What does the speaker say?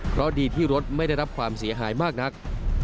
เพราะดีที่รถไม่ได้รับความเสียหายมากนัก